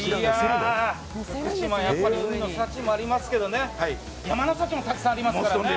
福島は海の幸もありますけど山の幸もたくさんありますからね。